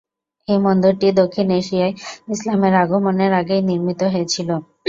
এই মন্দিরটি দক্ষিণ এশিয়ায় ইসলামের আগমনের আগেই নির্মিত হয়েছিল।